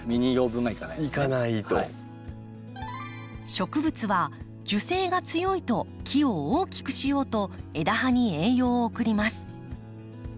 植物は樹勢が強いと木を大きくしようと枝葉に栄養を送ります。